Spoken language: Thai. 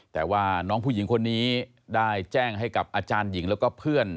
แต่ว่าน้องผู้หญิงคนนี้ได้แจ้งให้กับอาจารย์หญิงแล้วก็เพื่อน